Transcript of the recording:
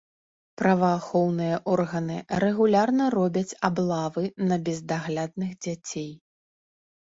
Праваахоўныя органы рэгулярна робяць аблавы на бездаглядных дзяцей.